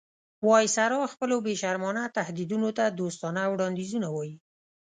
وایسرا خپلو بې شرمانه تهدیدونو ته دوستانه وړاندیزونه وایي.